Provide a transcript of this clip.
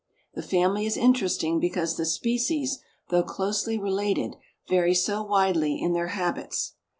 The family is interesting because the species, though closely related, vary so widely in their habits.